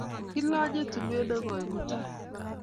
Kilanye tulwet nekoi mutai